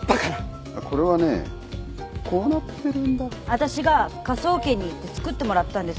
わたしが科捜研に行って作ってもらったんですよ。